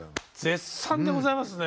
絶賛でございますね。